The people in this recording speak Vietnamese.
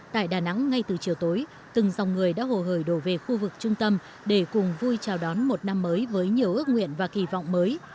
tại đà nẵng ngay từ chiều tối từng dòng người đã hồ hời đổ về khu vực trung tâm để cùng vui chào đón một năm mới với nhiều ước nguyện và kỳ vọng mới